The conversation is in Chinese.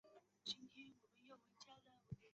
沙磁文化区由前重庆大学校长胡庶华极力倡导。